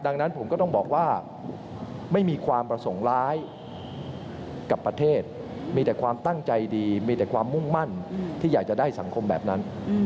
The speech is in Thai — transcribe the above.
ดังนั้นผมก็ต้องบอกว่าไม่มีความประสงค์ร้ายกับประเทศมีแต่ความตั้งใจดีมีแต่ความมุ่งมั่นที่อยากจะได้สังคมแบบนั้น